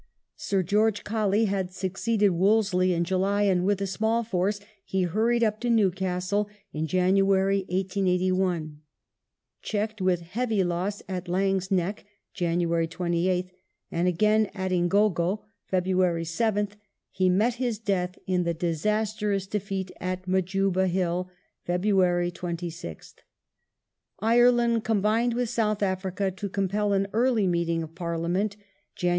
Sir George Colley had succeeded Wolseley in July and with a small force he hurried up to Newcastle in January (1881). Checked with heavy loss at Laing's Nek (Jan. 28th) and again at Ingogo (Feb. 7th) he met his death in the disastrous defeat at Majuba Hill (Feb. 26th). Ireland combined with South Africa to compel an early meeting of Parliament (Jan.